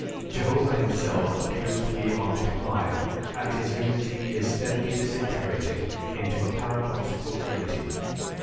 Jehovah himself appears to be on the decline and his unity is steadily disintegrating into a paradoxical trinity.